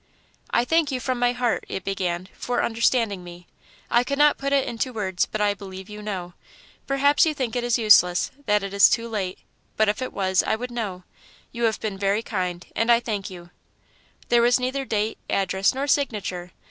"I thank you from my heart," it began, "for understanding me. I could not put it into words, but I believe you know. Perhaps you think it is useless that it is too late; but if it was, I would know. You have been very kind, and I thank you." There was neither date, address, nor signature.